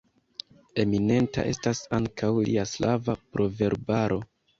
Eminenta estas ankaŭ lia slava proverbaro.